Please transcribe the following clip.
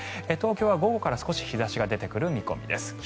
東京は午後から少し日差しが出てくる見込みです。